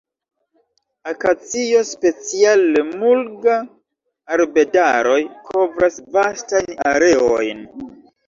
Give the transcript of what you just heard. Akacio, speciale "mulga"-arbedaroj kovras vastajn areojn.